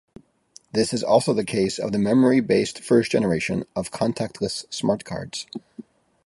This is also the case of the memory-based first generation of contactless smartcards.